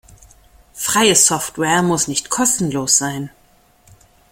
Freie Software muss nicht kostenlos sein.